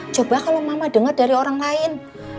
coba kalau mama dengar dari orang lain